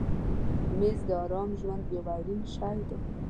مېز د آرام ژوند یو اړین شی دی.